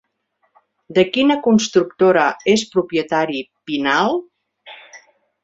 De quina constructora és propietari Pinal?